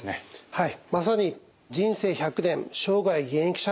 はい。